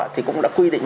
thì cũng đã quy định